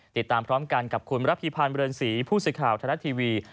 ติดตามพร้อมกันกับคุณรัภีพันธ์เวลนศรีผู้สิทธิ์ข่าวธนาทีวี